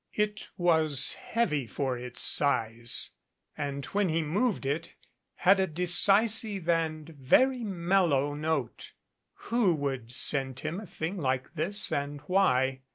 It was heavy for its size, and when he moved it had a de cisive and very mellow note. Who would send him a thing like this and why?